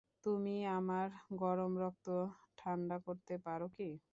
তুমি আমার গরম রক্ত ঠাণ্ডা করতে পার কি?